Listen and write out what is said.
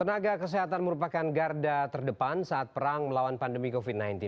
tenaga kesehatan merupakan garda terdepan saat perang melawan pandemi covid sembilan belas